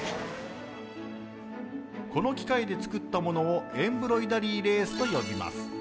この機械で作ったものをエンブロイダリーレースと呼びます。